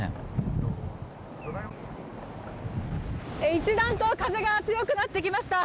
一段と風が強くなってきました。